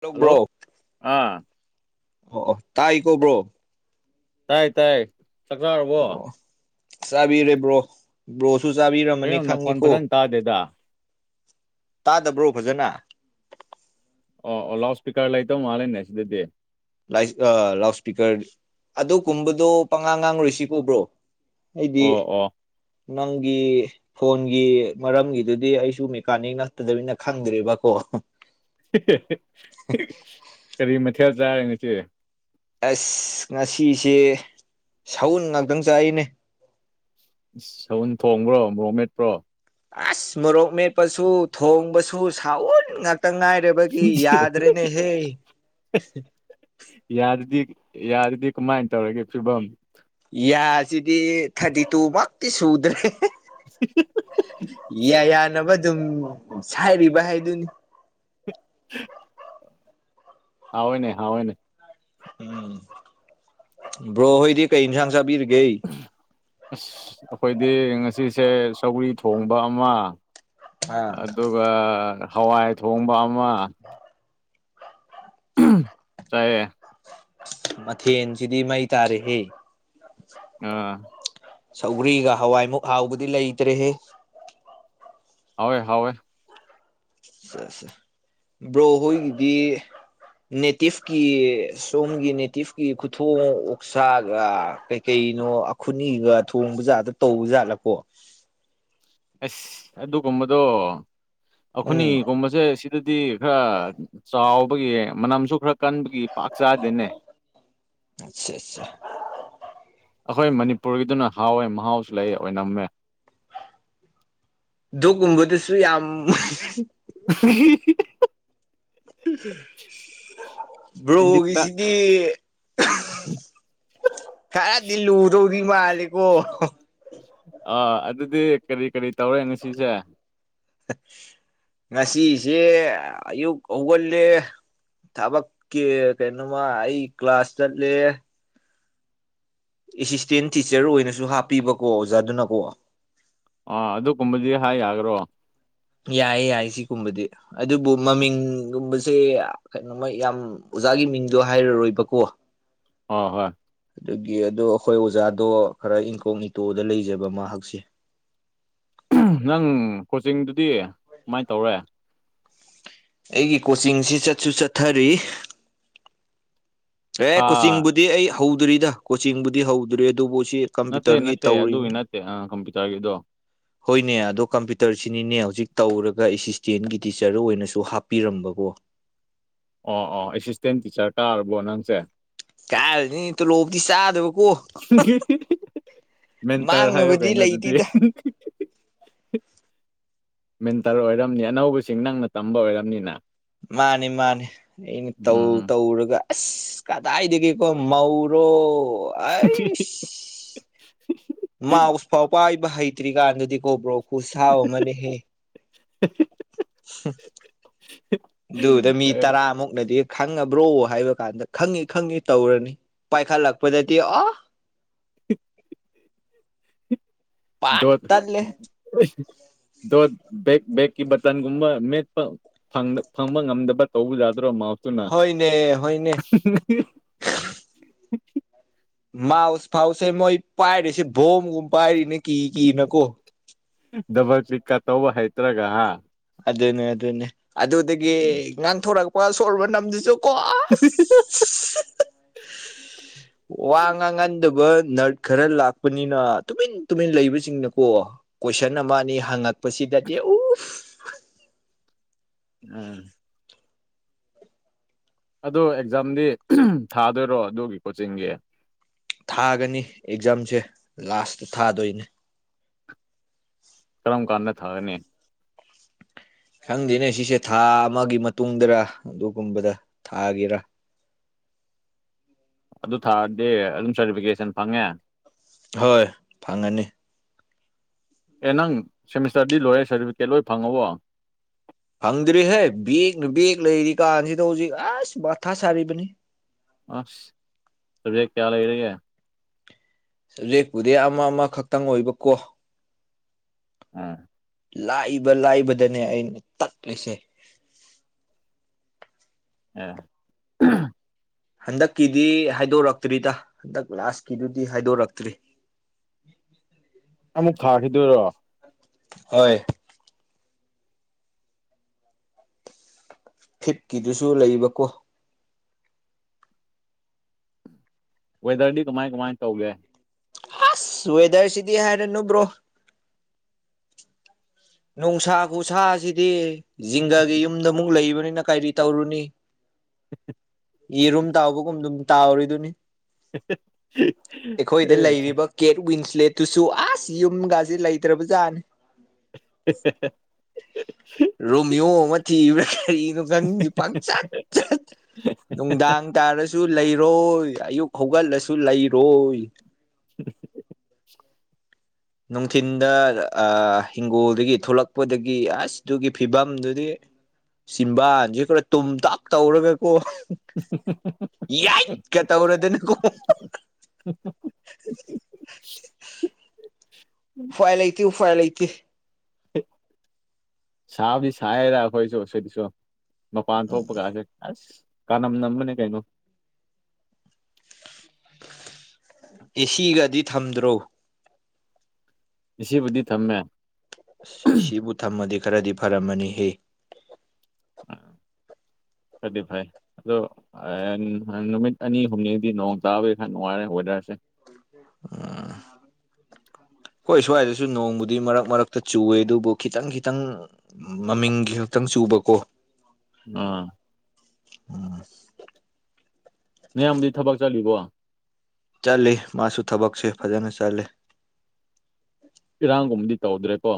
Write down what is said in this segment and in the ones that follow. ꯇꯧꯕ꯭ꯔꯣ hello ꯑꯥ ꯑꯣ ꯑꯣ ꯇꯥꯏꯀꯣ ꯕ꯭ꯔꯣ ꯇꯥꯏ ꯇꯥꯏ ꯆꯥꯛ ꯆꯥꯔꯕꯣ ꯑꯣ ꯆꯥꯕꯤꯔꯦ ꯕ꯭ꯔꯣ ꯕ꯭ꯔꯣꯁꯨ ꯆꯥꯕꯤꯔꯝꯃꯅꯤ ꯀꯩꯅꯣ ꯅꯈꯣꯟ ꯈꯪꯉꯤꯀꯣ ꯐꯖꯅ ꯇꯥꯗꯦꯗ ꯇꯥꯗꯕ꯭ꯔꯣ ꯐꯖꯅ ꯑꯣ ꯑꯣ ꯂꯥꯎ ꯁ꯭ꯄꯤꯀꯔ ꯂꯩꯇ ꯃꯥꯜꯂꯦꯅꯦ ꯁꯤꯗꯗꯤ ꯂꯥꯏꯁ ꯑ ꯂꯥꯎ ꯏꯁꯄꯤꯀꯔ ꯑꯗꯨ ꯀꯨꯝꯕꯗꯣ ꯄꯪꯉꯥꯡ ꯉꯥꯡꯔꯣꯏꯁꯤꯀꯣ ꯕ꯭ꯔꯣ ꯑꯩꯗꯤ ꯑꯣ ꯑꯣ ꯅꯪꯒꯤ ꯐꯣꯟꯒꯤ ꯃꯔꯝꯒꯤꯗꯨꯗꯤ ꯑꯩꯁꯨ ꯃꯦꯀꯥꯅꯤꯛ ꯅꯠꯇꯗꯃꯤꯅ ꯈꯪꯗ꯭ꯔꯦꯕꯀꯣ [unintelligible] ꯀꯔꯤ ꯃꯊꯦꯜ ꯆꯥꯔꯦ ꯉꯁꯤ ꯑꯩꯁ ꯉꯁꯤꯁꯦ ꯁꯎꯟ ꯉꯥꯛꯇꯪ ꯆꯥꯏꯅꯦ ꯏꯁ ꯁꯎꯟ ꯊꯣꯡꯕ꯭ꯔꯣ ꯃꯣꯔꯣꯛ ꯃꯦꯠꯄ꯭ꯔꯣ ꯑꯁ ꯃꯣꯔꯣꯛ ꯃꯦꯠꯄꯁꯨ ꯊꯣꯡꯕꯁꯨ ꯁꯥꯎꯟ ꯉꯥꯛꯇ ꯉꯥꯏ ꯔꯕꯒꯤ ꯌꯥꯗ꯭ꯔꯦꯅꯦ ꯍꯦ ꯌꯥꯗꯗꯤ ꯌꯥꯗꯗꯤ ꯀꯃꯥꯏꯟ ꯇꯧꯔꯤꯒꯦ ꯐꯤꯕꯝ ꯌꯥꯁꯤꯗꯤ ꯊꯥꯔꯇꯤ ꯇꯨ ꯃꯛꯇꯤ ꯁꯨꯗ꯭ꯔꯦ [unintelligible] ꯌꯥ ꯌꯥꯅꯕ ꯑꯗꯨꯝ ꯁꯥꯏꯕꯤꯕ ꯍꯥꯏꯗꯨꯅꯤ [unintelligible] ꯍꯥꯎꯋꯦꯅꯦ ꯍꯥꯎꯋꯦꯅꯦ ꯎꯝ ꯕ꯭ꯔꯣ ꯍꯣꯏꯗꯤ ꯀꯩ ꯏꯟꯁꯥꯡ ꯆꯥꯕꯤꯔꯒꯦ ꯑꯁ ꯑꯩꯈꯣꯏꯗꯤ ꯉꯁꯤꯁꯦ ꯁꯧꯒ꯭ꯔꯤ ꯊꯣꯡꯕ ꯑꯃ ꯑꯥ ꯑꯗꯨꯒ ꯍꯋꯥꯏ ꯊꯣꯡꯕ ꯑꯃ [unintelligible] ꯆꯥꯏꯌꯦ ꯃꯊꯦꯜꯁꯤꯗꯤ ꯃꯩ ꯇꯥꯔꯦꯍꯦ ꯑ ꯁꯧꯒ꯭ꯔꯤꯒ ꯍꯋꯥꯏꯃꯨꯛ ꯍꯥꯎꯕꯗꯤ ꯂꯩꯇ꯭ꯔꯦꯍꯦ ꯍꯥꯎꯋꯦ ꯍꯥꯎꯋꯦ ꯁꯦ ꯁꯦ ꯕ꯭ꯔꯣꯍꯣꯏꯒꯤꯗꯤ ꯅꯦꯇꯤꯞꯀꯤ ꯁꯣꯝꯒꯤ ꯅꯦꯇꯤꯞꯀꯤ ꯈꯨꯊꯣꯡ ꯑꯣꯛꯁꯥꯒ ꯀꯩꯅꯣ ꯑꯈꯨꯅꯤꯒ ꯊꯣꯡꯕ ꯖꯥꯠꯇ ꯇꯧꯕꯖꯥꯠꯂꯀꯣ ꯑꯁ ꯑꯗꯨꯒꯨꯝꯕꯗꯣ ꯑꯈꯣꯏꯅꯤ ꯎꯝ ꯒꯨꯝꯕꯁꯦ ꯁꯤꯗꯗꯤ ꯈꯔ ꯆꯥꯎꯕꯒꯤ ꯃꯅꯝꯁꯨ ꯈꯔ ꯀꯟꯕꯒꯤ ꯄꯥꯛ ꯆꯥꯗꯦꯅꯦ ꯑꯠꯁꯥ ꯑꯠꯁꯥ ꯑꯩꯈꯣꯏ ꯃꯅꯤꯄꯨꯔꯒꯤꯗꯨꯅ ꯍꯥꯎꯋꯦ ꯃꯍꯥꯎꯁꯨ ꯂꯩ ꯑꯣꯏꯅꯝꯃꯦ ꯗꯨꯒꯨꯝꯕꯗꯨꯁꯨ ꯌꯥꯝ [unintelligible] ꯏꯪꯒꯤꯠꯇ ꯕ꯭ꯔꯣꯒꯤꯁꯤ ꯗꯤ [unintelligible] ꯈꯔꯗꯤ ꯂꯨꯗꯧ ꯔꯤꯃꯥꯂꯤꯀꯣ ꯑꯥ ꯑꯗꯨꯗꯤ ꯀꯔꯤ ꯀꯔꯤ ꯇꯧꯔꯦ ꯉꯁꯤꯁꯦ ꯉꯁꯤꯁꯦ ꯑꯌꯨꯛ ꯍꯧꯒꯜꯂꯦ ꯊꯕꯛꯀꯤ ꯀꯩꯅꯣꯃ ꯑꯩ ꯀ꯭ꯂꯥꯁ ꯆꯠꯂꯦ ꯑꯦꯁꯤꯁꯇꯦꯟ ꯇꯤꯆꯔ ꯑꯣꯏꯅꯁꯨ ꯍꯥꯞꯄꯤꯕꯀꯣ ꯑꯣꯖꯥꯗꯨꯅꯀꯣ ꯑ ꯑꯗꯨꯒꯨꯝꯕꯗꯤ ꯍꯥꯏ ꯌꯥꯒꯔꯣ ꯌꯥꯏ ꯌꯥꯏ ꯁꯤꯒꯨꯝꯕꯗꯤ ꯑꯗꯨꯕꯨ ꯃꯃꯤꯡꯒꯨꯝꯕꯁꯦ ꯀꯩꯅꯣ ꯃꯣꯏ ꯌꯥꯝ ꯑꯣꯖꯥꯒꯤ ꯃꯤꯡꯗꯣ ꯍꯥꯏꯔꯔꯣꯏꯕꯀꯣ ꯑꯣ ꯍꯣꯏ ꯑꯗꯨꯒꯤ ꯑꯗꯣ ꯑꯩꯈꯣꯏ ꯑꯣꯖꯥꯗꯣ ꯈꯔ ꯏꯪꯀꯣꯛ ꯏꯇꯣꯗ ꯂꯩꯖꯕ ꯃꯍꯥꯛꯁꯦ ꯅꯪ ꯀꯣꯆꯤꯡꯗꯨꯗꯤ ꯀꯃꯥꯏ ꯇꯧꯔꯦ ꯑꯩꯒꯤ ꯀꯣꯆꯤꯡꯁꯤ ꯆꯠꯁꯨ ꯆꯠꯊꯔꯤ ꯑꯦ ꯊꯥ ꯀꯣꯆꯤꯡꯕꯨꯗꯤ ꯑꯩ ꯍꯧꯗꯔꯤꯗ ꯀꯣꯆꯤꯡꯕꯨꯗꯤ ꯍꯧꯗꯔꯤ ꯑꯗꯨꯕꯨ ꯁꯤ ꯅꯠꯇꯦ ꯀꯝꯄ꯭ꯌꯨꯇꯔꯒꯤ ꯅꯠꯇꯦ ꯇꯧꯔꯤꯕꯅꯤ ꯑꯗꯨꯒꯤ ꯅꯠꯇꯦ ꯑ ꯀꯝꯄ꯭ꯌꯨꯇꯔꯒꯤꯗꯣ ꯍꯣꯏꯅꯦ ꯑꯗꯣ ꯀꯝꯄ꯭ꯌꯨꯇꯔꯁꯤꯅꯤꯅꯦ ꯍꯧꯖꯤꯛ ꯇꯧꯔꯒ ꯑꯦꯁꯤꯁꯇꯦꯟꯒꯤ ꯇꯤꯆꯔ ꯑꯣꯏꯅꯁꯨ ꯍꯥꯞꯄꯤꯔꯝꯕꯀꯣ ꯑꯣ ꯑꯣ ꯑꯦꯁꯤꯁꯇꯦꯟ ꯇꯤꯆꯔ ꯀꯥꯔꯕꯣ ꯅꯪꯁꯦ ꯀꯥꯔꯤꯅꯤ ꯇꯨꯂꯣꯞꯇꯤ ꯆꯥꯗꯕ ꯀꯣ [unintelligible] ꯃꯦꯟꯇꯔ ꯍꯥꯏꯌꯣ ꯃꯥꯡꯅꯕꯗꯤ ꯀꯩꯅꯣ ꯑꯗꯨꯗꯤ ꯂꯩꯇꯦꯗ ꯃꯦꯟꯇꯔ ꯑꯣꯏꯔꯝꯅꯤ ꯑꯅꯧꯕꯁꯤꯡ ꯅꯪꯅ ꯇꯝꯕ ꯑꯣꯏꯔꯝꯅꯤꯅ ꯃꯥꯅꯤ ꯃꯥꯅꯤ ꯑꯩꯅ ꯇꯧ ꯇꯧꯔꯒ ꯑꯁ ꯀꯗꯥꯏꯗꯒꯤꯀꯣ ꯃꯧꯔꯣ [unintelligible] ꯃꯥꯎꯁꯐꯥꯎ ꯄꯥꯏꯕ ꯍꯩꯇ꯭ꯔꯤꯀꯥꯟꯗꯗꯤ ꯀꯣ ꯕ꯭ꯔꯣ ꯈꯨꯁꯥꯎ ꯑꯃꯅꯤꯍꯦ [inaudible] ꯑꯗꯨꯗ ꯃꯤ ꯑ ꯇꯔꯥꯃꯨꯛꯅꯗꯤ ꯈꯪꯉꯕ꯭ꯔꯣ ꯍꯥꯏꯕ ꯀꯥꯟꯗ ꯈꯪꯉꯤ ꯈꯪꯉꯤ ꯇꯧꯔꯅꯤ ꯄꯥꯏꯈꯠꯂꯛꯄꯗꯗꯤ ꯑꯣ ꯄꯥꯠ ꯗꫭꯠ ꯇꯠꯂꯦ ꯗꫭꯠ ꯕꯦꯛ ꯕꯦꯛꯀꯤ ꯕꯥꯇꯟꯒꯨꯨꯝꯕ ꯃꯦꯠꯄ ꯐꯪꯕ ꯐꯪꯕ ꯉꯝꯗꯕ ꯇꯧꯕ ꯌꯥꯗ꯭ꯔꯣ ꯃꯥꯎꯇꯨꯅ ꯍꯣꯏꯅꯦ ꯍꯣꯏꯅꯦ ꯃꯥꯎꯁ ꯐꯥꯎꯁꯦ ꯃꯣꯏ ꯄꯥꯏꯔꯤꯁꯦ ꯕꯣꯝꯒꯨꯝꯕ ꯄꯥꯏꯔꯤꯅꯦ ꯀꯤ ꯀꯤꯅꯀꯣ ꯗꯕꯜ ꯀꯤꯂꯛꯀ ꯇꯧꯕ ꯍꯩꯇ꯭ꯔꯒ ꯍꯥ ꯑꯗꯨꯅꯦ ꯑꯗꯨꯅꯦ ꯑꯗꯨꯗꯒꯤ ꯎꯝ ꯉꯥꯡꯊꯣꯔꯛꯄ ꯁꯣꯔ ꯃꯅꯝꯗꯨꯁꯨ ꯀꯣ [inaudible] ꯑꯁ ꯋꯥ ꯉꯥꯡ ꯉꯟꯗꯕ ꯅꯔꯠ ꯈꯔ ꯂꯥꯛꯄꯅꯤꯅ ꯇꯨꯃꯤꯟ ꯇꯨꯃꯤꯟ ꯂꯩꯕꯁꯤꯡꯅꯀꯣ ꯀꯣꯏꯁꯟ ꯑꯃ ꯑꯅꯤ ꯍꯪꯉꯛꯄꯁꯤꯗꯗꯤ ꯎꯐ ꯎꯝ꯫ ꯑꯗꫭ ꯑꯦꯛꯖꯥꯝꯗꯤ ꯊꯥꯗꯣꯏꯔꯣ ꯑꯗꯨꯒꯤ ꯀꯣꯆꯤꯡꯒꯤ ꯊꯥꯒꯅꯤ ꯑꯦꯛꯖꯥꯝꯁꯦ ꯂꯥꯁꯇ ꯊꯥꯗꯣꯏꯅꯦ [inaudible] ꯀꯔꯝ ꯀꯥꯟꯗ ꯊꯥꯒꯅꯤ ꯁꯪꯗꯦꯅꯦ ꯁꯤꯁꯦ ꯊꯥ ꯑꯃꯒꯤ ꯃꯇꯨꯡꯗꯔ ꯑꯗꯨꯒꯨꯝꯕꯗ ꯊꯥꯒꯤꯔ ꯑꯗꯨ ꯊꯥꯔꯗꯤ ꯑꯗꯨꯝ ꯁꯥꯔꯇꯤꯐꯤꯀꯦꯁꯟ ꯐꯪꯉꯦ ꯍꯣꯏ ꯐꯪꯉꯅꯤ ꯑꯦ ꯅꯪ ꯁꯦꯃꯤꯁꯇꯔꯗꯤ ꯂꯣꯏꯔꯦ ꯁꯥꯔꯇꯤꯐꯤꯀꯦꯠ ꯂꯣꯏ ꯐꯪꯉꯕꯣ꯫ ꯐꯪꯗ꯭ꯔꯤꯍꯦ ꯕꯦꯛꯅ ꯕꯦꯛ ꯂꯩꯔꯤ ꯀꯥꯟꯁꯤꯗ ꯍꯧꯖꯤꯛ ꯑꯦꯁ ꯃꯥꯊꯥ ꯁꯥꯔꯤꯕꯅꯤ ꯑꯁ ꯁꯕꯖꯦꯛ ꯀꯌꯥ ꯂꯩꯔꯒꯦ ꯁꯕꯖꯦꯛꯄꯨꯗꯤ ꯑꯃ ꯑꯃꯈꯛꯇꯪ ꯑꯣꯏꯕꯀꯣ ꯎꯝ꯫ ꯂꯥꯏꯕ ꯂꯥꯏꯕꯗꯅꯦ ꯑꯩꯅ ꯇꯠꯂꯤꯁꯦ ꯑ ꯍꯟꯗꯛꯀꯤꯗꯤ ꯍꯥꯏꯗꯣꯔꯛꯇ꯭ꯔꯤꯗ ꯍꯟꯗꯛ ꯂꯥꯁꯀꯤꯗꯨꯗꯤ ꯍꯥꯏꯗꯣꯔꯛꯇ꯭ꯔꯤ꯫ ꯑꯃꯨꯛ ꯊꯥꯈꯤꯗꯣꯏꯔꯣ ꯍꯣꯏ ꯐꯤꯞꯀꯤꯗꯨꯁꯨ ꯂꯩꯕ ꯀꯣ ꯋꯦꯗꯔꯗꯤ ꯀꯃꯥꯏ ꯀꯃꯥꯏ ꯇꯧꯒꯦ ꯑꯁ ꯋꯦꯗꯔꯁꯤꯗꯤ ꯍꯥꯏꯔꯅꯣ ꯕ꯭ꯔꯣ ꯅꯨꯡꯁꯥ ꯈꯨꯁꯥꯁꯤꯗꯤ ꯖꯤꯡꯒꯒꯤ ꯌꯨꯝꯗ ꯑꯃꯨꯛ ꯂꯩꯕꯅꯤꯅ ꯀꯔꯤ ꯇꯧꯔꯨꯅꯤ ꯌꯦꯔꯨꯝ ꯇꯥꯎꯕꯒꯨꯝ ꯑꯗꯨꯝ ꯇꯥꯎꯔꯤꯗꯨꯅꯤ ꯑꯩꯈꯣꯏꯗ ꯑꯦ ꯂꯩꯔꯤꯕ ꯀꯦꯠ ꯋꯤꯡꯁ ꯂꯦꯠꯇꯨꯁꯨ ꯑꯁ ꯌꯨꯝꯒꯁꯦ ꯂꯩꯇ꯭ꯔꯕ ꯖꯥꯠꯅꯤ [inaudible] ꯔꯣꯃꯤꯌꯣ ꯑꯃ ꯊꯤꯕ꯭ꯔꯥ ꯀꯔꯤꯅꯣ ꯈꯪꯒꯤ ꯄꯪꯆꯠ ꯆꯠ ꯅꯨꯡꯗꯥꯡ ꯇꯥꯔꯁꯨ ꯂꯩꯔꯣꯏ ꯑꯌꯨꯛ ꯍꯧꯒꯠꯂꯁꯨ ꯂꯩꯔꯣꯏ [inaudible] ꯅꯨꯡꯊꯤꯟꯗ ꯑꯥ ꯍꯤꯡꯒꯣꯜꯗꯒꯤ ꯊꯣꯛꯂꯛꯄꯗꯒꯤ ꯑꯁ ꯑꯗꯨꯒꯤ ꯐꯤꯕꯝꯗꯨꯗꯤ ꯆꯤꯝꯕꯥꯟꯁꯦ ꯈꯔ ꯇꯨꯝ ꯇꯥꯛ ꯇꯧꯔꯒ ꯀꯣ [inaudible] ꯌꯥꯏꯀ ꯇꯧꯔꯗꯅꯀꯣ [inaudible] ꯎꯐꯥꯏ ꯂꯩꯇꯦ ꯎꯐꯥꯏ ꯂꯩꯇꯦ ꯁꯥꯕꯨꯗꯤ ꯁꯥꯏꯗ ꯑꯩꯈꯣꯏꯁꯨ ꯁꯤꯗꯁꯨ ꯃꯄꯥꯟ ꯊꯣꯛꯄ ꯀꯥꯁꯦ ꯑꯁ ꯀꯥꯟꯅꯝ ꯅꯝꯕꯅꯦ ꯀꯩꯅꯣ ꯑꯦ ꯁꯤ ꯒꯗꯤ ꯊꯝꯗ꯭ꯔꯣ ꯑꯦ ꯁꯤ ꯕꯨꯗꯤ ꯊꯝꯃꯦ ꯑꯁ ꯁꯤꯕꯨ ꯊꯝꯃꯗꯤ ꯈꯔꯗꯤ ꯐꯔꯝꯃꯅꯤ ꯍꯦ ꯐꯗꯤ ꯐꯩ ꯑꯗꯣ ꯅꯨꯃꯤꯠ ꯑꯅꯤ ꯍꯨꯝꯅꯤꯗꯤ ꯅꯣꯡ ꯇꯥꯕꯒꯤ ꯈꯔ ꯅꯨꯡꯉꯥꯏꯔꯦ ꯋꯦꯗꯔꯁꯦ [unintelligible] ꯈꯣꯏ ꯁ꯭ꯋꯥꯏꯗꯁꯨ ꯅꯣꯡꯕꯨꯗꯤ ꯃꯔꯛ ꯃꯔꯛꯇ ꯆꯨꯋꯦ ꯑꯗꯨꯕꯨ ꯈꯤꯇꯪ ꯈꯤꯇꯪ ꯃꯃꯤꯡꯒꯤ ꯈꯛꯇꯪ ꯆꯨꯕꯀꯣ ꯎꯝ ꯎꯝ ꯅꯌꯥꯝꯕꯗꯤ ꯊꯕꯛ ꯆꯠꯂꯤꯕꯣ ꯆꯠꯂꯤ ꯃꯥꯁꯨ ꯊꯕꯛꯁꯦ ꯐꯖꯅ ꯆꯠꯂꯤ ꯏꯔꯥꯡꯒꯨꯝꯕꯗꯤ ꯇꯧꯗ꯭ꯔꯦꯀꯣ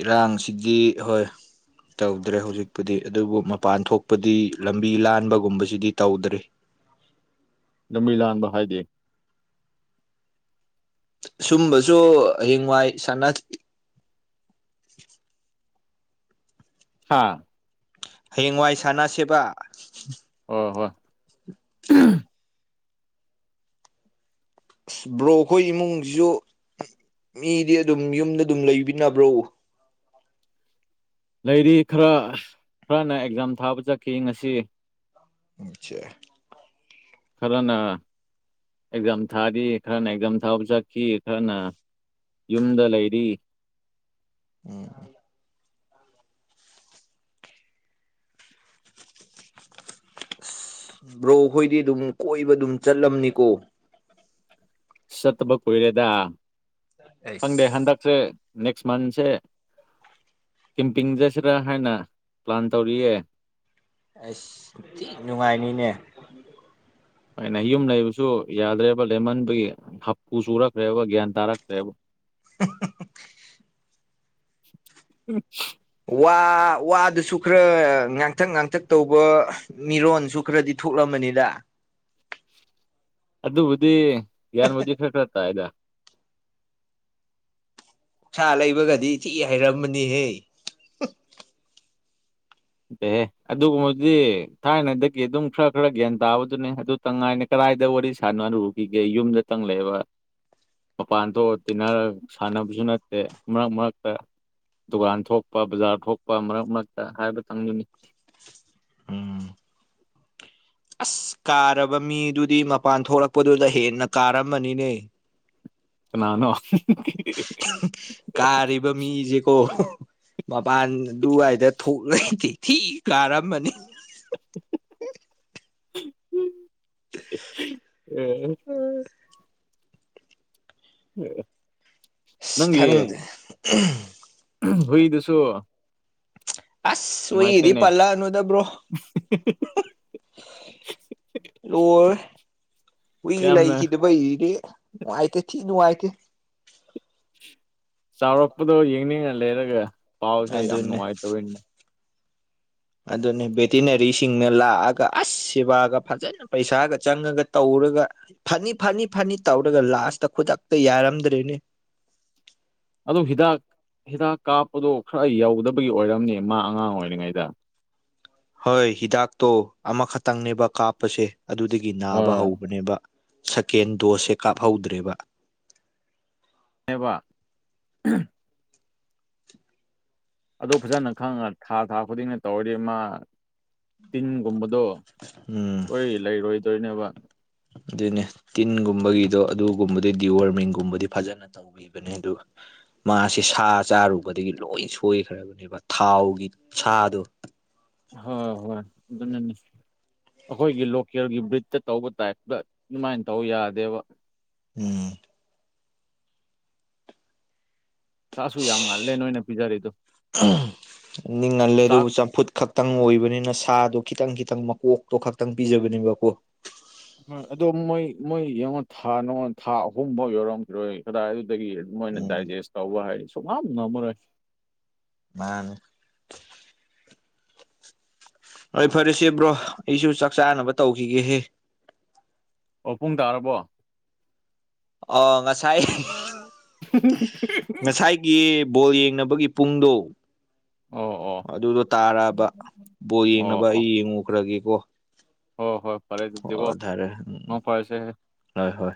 ꯏꯔꯥꯡꯁꯤꯗꯤ ꯍꯣꯏ ꯇꯧꯗ꯭ꯔꯦ ꯍꯧꯖꯤꯛꯄꯨꯗꯤ ꯑꯗꯨꯕꯨ ꯃꯄꯥꯟ ꯊꯣꯛꯄꯗꯤ ꯂꯝꯕꯤ ꯂꯥꯟꯕꯒꯨꯝꯕꯁꯤꯗꯤ ꯇꯧꯗ꯭ꯔꯤ ꯂꯝꯕꯤ ꯂꯥꯟꯕ ꯍꯥꯏꯗꯤ ꯁꯨꯝꯕꯁꯨ ꯍꯌꯦꯡꯋꯥꯏ ꯁꯥꯅ ꯍꯥꯥ ꯍꯌꯦꯡꯋꯥꯏ ꯁꯥꯟꯅꯁꯦꯕ ꯑꯣ ꯍꯣꯏ ꯑꯁ ꯕ꯭ꯔꯣ ꯈꯣꯏ ꯏꯃꯨꯡꯁꯤꯁꯨ ꯃꯤꯗꯤ ꯑꯗꯨꯝ ꯌꯨꯝꯗ ꯗꯨꯝ ꯂꯩꯕꯤꯅꯕ꯭ꯔꯣ ꯂꯩꯔꯤ ꯈꯔ ꯈꯔꯅ ꯑꯦꯛꯖꯥꯝ ꯊꯥꯕ ꯆꯠꯈꯤ ꯉꯁꯤ ꯆꯦ ꯈꯔꯅ ꯑꯦꯛꯖꯥꯝ ꯊꯥꯔꯤ ꯈꯔꯅ ꯑꯦꯛꯖꯥꯝ ꯊꯥꯕ ꯆꯠꯈꯤ ꯈꯔꯅ ꯌꯨꯝꯗ ꯂꯩꯔꯤ ꯎꯝ ꯕ꯭ꯔꯣꯈꯣꯏꯗꯤ ꯗꯨꯝ ꯀꯣꯏꯕ ꯗꯨꯝ ꯆꯠꯂꯝꯅꯤꯀꯣ ꯆꯠꯇꯕ ꯀꯨꯏꯔꯦꯗ ꯈꯪꯗꯦ ꯑꯩꯁ ꯍꯟꯗꯛꯁꯦ ꯅꯦꯛꯁ ꯃꯟꯁꯦ ꯀꯦꯝꯄꯤꯡ ꯆꯠꯁꯤꯔꯥ ꯍꯥꯏꯅ ꯄ꯭ꯂꯥꯟ ꯇꯧꯔꯤꯌꯦ ꯑꯁ ꯊꯤ ꯅꯨꯡꯉꯥꯏꯅꯤꯅꯦ ꯍꯣꯏꯅꯦ ꯌꯨꯝ ꯂꯩꯕꯁꯨ ꯌꯥꯗ꯭ꯔꯦꯕ ꯂꯦꯃꯟꯕꯒꯤ ꯍꯥꯄꯨ ꯆꯨꯔꯛꯈ꯭ꯔꯦꯕ ꯒ꯭ꯌꯥꯟ ꯇꯥꯔꯛꯇ꯭ꯔꯦꯕ [unintelligible] [unintelligible] ꯋꯥ ꯋꯥꯗꯨꯁꯨ ꯈ꯭ꯔ ꯉꯥꯡꯇꯛ ꯉꯥꯡꯇꯛ ꯇꯧꯕ ꯃꯤꯔꯣꯟꯁꯨ ꯈ꯭ꯔꯗꯤ ꯊꯣꯛꯂꯝꯃꯅꯤꯗ ꯑꯗꯨꯕꯨꯗꯤ ꯒ꯭ꯌꯥꯟꯕꯨꯗꯤ ꯈ꯭ꯔ ꯈ꯭ꯔ ꯇꯥꯏꯗ ꯁꯥ ꯂꯩꯕꯒꯗꯤ ꯊꯤ ꯍꯩꯔꯝꯃꯅꯤꯍꯦ [unintelligible] ꯑꯗꯨꯒꯨꯝꯕꯗꯤ ꯊꯥꯏꯅꯗꯒꯤ ꯑꯗꯨꯝ ꯈ꯭ꯔ ꯈ꯭ꯔ ꯒ꯭ꯌꯥꯟ ꯇꯥꯕꯗꯨꯅꯦ ꯑꯗꯨ ꯀꯪꯉꯥꯏꯅ ꯀꯔꯥꯏꯗ ꯋꯥꯔꯤ ꯁꯥꯥꯟꯅꯔꯨꯈꯤꯒꯦ ꯌꯨꯝꯗ ꯇꯪ ꯂꯩꯕ ꯃꯄꯥꯟ ꯊꯣꯛꯑ ꯇꯤꯟꯅꯔꯒ ꯁꯥꯟꯅꯕꯁꯨ ꯅꯠꯇꯦ ꯃꯔꯛ ꯃꯔꯛꯇ ꯗꯨꯀꯥꯟ ꯊꯣꯛꯄ ꯕꯖꯥꯔ ꯊꯣꯛꯄ ꯃꯔꯛ ꯃꯔꯛꯇ ꯍꯥꯏꯕꯇꯪꯗꯨꯅꯤ ꯎꯝ ꯑꯁ ꯀꯥꯔꯕ ꯃꯤꯗꯨꯗꯤ ꯃꯄꯥꯟ ꯊꯣꯛꯂꯛꯄꯗꯨꯗ ꯍꯦꯟꯅ ꯀꯥꯔꯝꯃꯅꯤꯅꯦ ꯀꯅꯥꯅꯣ [unintelligible] ꯀꯥꯔꯤꯕ ꯃꯤꯁꯦꯀꯣ ꯃꯄꯥꯟ ꯑꯗꯨꯋꯥꯏꯗ ꯊꯣꯛꯂꯩ ꯇꯦ ꯊꯤ ꯀꯥꯔꯝꯃꯅꯤ ꯑ [unintelligible] ꯑ ꯑꯁ ꯈꯪꯗꯦ [unintelligible] ꯍꯨꯏꯗꯨꯁꯨ ꯑꯁ ꯍꯨꯏꯗꯤ ꯅꯨꯡꯉꯥꯏꯇꯦꯅꯦ ꯄꯜꯂꯅꯨꯗ ꯕ꯭ꯔꯣ ꯂꯣꯏ ꯍꯨꯏ ꯌꯥꯝꯅ ꯂꯩꯈꯤꯗꯕꯩ ꯏꯗꯤ ꯅꯨꯡꯉꯥꯏꯇꯦ ꯊꯤꯟ ꯅꯨꯡꯉꯥꯏꯇꯦ ꯆꯥꯎꯔꯛꯄꯗꯣ ꯌꯦꯡꯅꯤꯡꯉ ꯂꯩꯔꯒ ꯄꯥꯎꯁꯦ ꯌꯥꯝ ꯑꯗꯨꯅꯦ ꯅꯨꯡꯉꯥꯏꯇꯕꯩꯅꯦ ꯑꯗꯨꯅꯤ ꯚꯦꯇꯤꯅꯔꯤꯁꯤꯡꯅ ꯂꯥꯛꯑꯒ ꯑꯁ ꯁꯦꯕꯥꯒ ꯐꯖꯅ ꯄꯩꯁꯥꯒ ꯆꯪꯉꯒ ꯇꯧꯔꯒ ꯐꯅꯤ ꯐꯅꯤ ꯐꯅꯤ ꯇꯧꯔꯒ ꯂꯥꯁꯇ ꯈꯨꯗꯛꯇ ꯌꯥꯔꯝꯗ꯭ꯔꯦꯅꯦ ꯑꯗꯨ ꯍꯤꯗꯥꯛ ꯍꯤꯗꯥꯛ ꯀꯥꯞꯄꯗꯣ ꯈꯔ ꯌꯧꯗꯕꯒꯤ ꯑꯣꯏꯔꯝꯅꯦ ꯃꯥ ꯑꯉꯥꯡ ꯑꯣꯏꯔꯤꯉꯩꯗ ꯍꯣꯏ ꯍꯤꯗꯥꯛꯇꯣ ꯑꯃꯈꯛꯇꯪꯅꯦꯕ ꯀꯥꯞꯄꯁꯦ ꯑꯗꯨꯗꯒꯤ ꯅꯥꯕ ꯍꯣꯏ ꯍꯧꯕꯅꯦꯕ ꯁꯦꯀꯦꯟ ꯗꯣꯁꯁꯦ ꯀꯥꯞꯍꯧꯗ꯭ꯔꯦꯕ ꯑꯦꯕ ꯑꯗꯨ ꯐꯖꯅ ꯈꯪꯉ ꯊꯥ ꯊꯥ ꯈꯨꯗꯤꯡꯅ ꯇꯧꯔꯗꯤ ꯃꯥ ꯇꯤꯟꯒꯨꯝꯕꯗꯣ ꯎꯝ ꯍꯣꯏ ꯂꯩꯔꯣꯏꯗꯣꯏꯅꯦꯕ ꯑꯗꯨꯅꯦ ꯇꯤꯟꯒꯨꯝꯕꯒꯤꯗꯣ ꯑꯗꯨꯒꯨꯝꯕꯗꯤ ꯗꯤ ꯋꯥꯔꯃꯤꯡꯒꯨꯝꯕꯗꯤ ꯐꯖꯅ ꯇꯧ ꯕꯤꯕꯅꯦ ꯑꯗꯨꯒ ꯃꯥꯁꯦ ꯁꯥ ꯆꯥꯔꯨꯕꯗꯒꯤ ꯂꯣꯏ ꯁꯣꯏꯈ꯭ꯔꯕꯅꯦꯕ ꯊꯥꯎꯒꯤ ꯁꯥꯗꯣ ꯍꯣꯏ ꯍꯣꯏ ꯑꯗꯨꯅꯅꯤ ꯑꯩꯈꯣꯏꯒꯤ ꯂꯣꯀꯦꯜꯒꯤ ꯕ꯭ꯔꯤꯠꯇ ꯇꯧꯕ ꯇꯥꯏꯞꯇ ꯑꯗꯨꯃꯥꯏꯅ ꯇꯧ ꯌꯥꯗꯦꯕ ꯎꯝ ꯁꯥꯁꯨ ꯌꯥꯝ ꯁꯤ ꯉꯜꯂꯦ ꯅꯣꯏꯅ ꯄꯤꯖꯔꯤꯗꯣ [unintelligible] ꯅꯤꯡꯍꯜꯂꯦ ꯆꯥꯛ ꯑꯗꯨꯕꯨ ꯆꯝꯐꯨꯠ ꯈꯛ ꯇꯪ ꯑꯣꯏꯕꯅꯤꯅ ꯁꯥꯗꯣ ꯈꯤꯇꯪ ꯈꯤꯇꯪ ꯃꯀꯣꯛꯇꯣ ꯈꯛꯇꯪ ꯄꯤꯖꯕꯅꯦꯕꯀꯣ ꯍꯣꯏ ꯑꯗꯣ ꯃꯣꯏ ꯃꯣꯏ ꯌꯦꯡꯉꯣ ꯊꯥ ꯅꯣ ꯊꯥ ꯑꯍꯨꯝꯐꯥꯎ ꯌꯧꯔꯝꯈꯤꯔꯣꯏ ꯀꯗꯥꯏꯗꯒꯤ ꯃꯣꯏꯅ ꯎꯝ ꯗꯥꯏꯖꯦꯁ ꯇꯧꯕ ꯍꯥꯏꯗꯤ ꯁꯨꯡꯉꯝ ꯉꯝꯃꯔꯣꯏ ꯃꯥꯅꯦ ꯍꯣꯏ ꯐꯔꯦꯁꯦ ꯕ꯭ꯔꯣ ꯑꯩꯁꯨ ꯆꯥꯛ ꯆꯥꯅꯕ ꯇꯧꯈꯤꯒꯦꯍꯦ ꯑꯣ ꯄꯨꯡ ꯇꯥꯔꯕꯣ ꯑꯣ ꯉꯁꯥꯏ [unintelligible] ꯉꯁꯥꯏꯒꯤ ꯕꯣꯜ ꯌꯦꯡꯅꯕꯒꯤ ꯄꯨꯡꯗꯣ ꯑꯣ ꯑꯣ ꯑꯗꯨꯗꯣ ꯇꯥꯔꯛꯑꯕ ꯕꯣꯠ ꯌꯦꯡꯅꯕ ꯑꯩ ꯌꯦꯡꯉꯨꯈ꯭ꯔꯒꯦꯀꯣ ꯍꯣ ꯍꯣꯏ ꯐꯔꯦ ꯑꯗꯨꯗꯤ ꯀꯣ ꯑꯣ ꯊꯥꯔꯦ ꯎꯝ ꯃꯪ ꯐꯔꯁꯦ ꯍꯣꯏ ꯍꯣꯏ